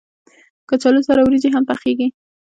کچالو سره وريجې هم پخېږي